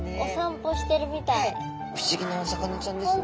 不思議なお魚ちゃんですね。